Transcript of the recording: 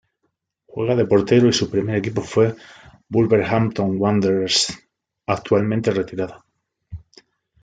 Juega de portero y su primer equipo fue Wolverhampton Wanderers, actualmente retirado.